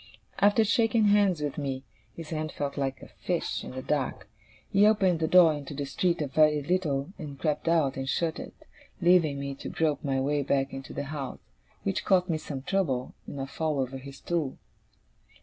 After shaking hands with me his hand felt like a fish, in the dark he opened the door into the street a very little, and crept out, and shut it, leaving me to grope my way back into the house: which cost me some trouble and a fall over his stool.